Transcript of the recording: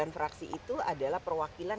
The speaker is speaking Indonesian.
sembilan fraksi itu adalah perwakilan